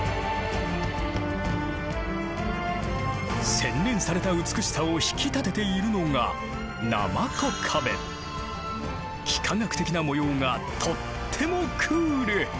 洗練された美しさを引き立てているのが幾何学的な模様がとってもクール。